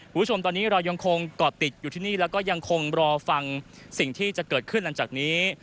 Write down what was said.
คุณผู้ชมตอนนี้เรายังคงเกาะติดอยู่ที่นี่แล้วก็ยังคงรอฟังสิ่งที่จะเกิดขึ้นหลังจากนี้